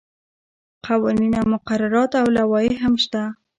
قوانین او مقررات او لوایح هم شته.